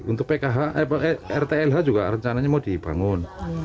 untuk pkh rtlh juga rencananya mau dibangun